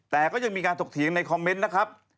แต่ก็ยังมีการถกเถียงในคอมเมนต์นะครับ